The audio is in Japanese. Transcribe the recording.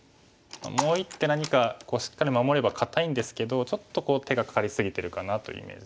もう一手何かしっかり守れば堅いんですけどちょっと手がかかり過ぎてるかなというイメージです。